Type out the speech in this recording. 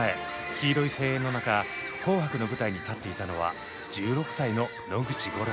黄色い声援の中「紅白」の舞台に立っていたのは１６歳の野口五郎。